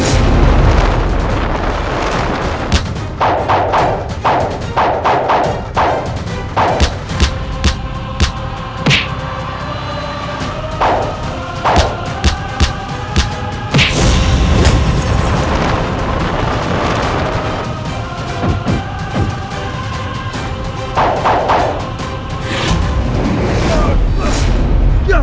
sang penguasa kerajaan penyelidikan